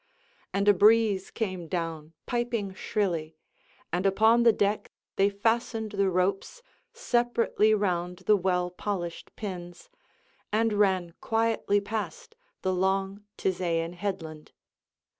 And a breeze came down piping shrilly; and upon the deck they fastened the ropes separately round the well polished pins, and ran quietly past the long Tisaean headland.